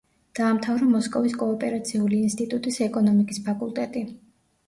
დაამთავრა მოსკოვის კოოპერაციული ინსტიტუტის ეკონომიკის ფაკულტეტი.